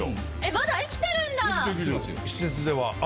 まだ生きてるんだ。